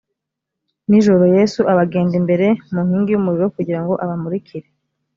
nijoro yesu abagenda imbere mu nkingi y umuriro kugira ngo abamurikire